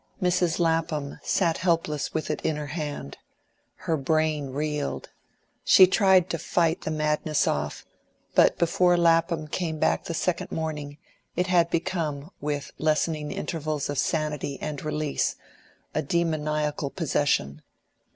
Mrs. Lapham sat helpless with it in her hand. Her brain reeled; she tried to fight the madness off; but before Lapham came back the second morning, it had become, with lessening intervals of sanity and release, a demoniacal possession.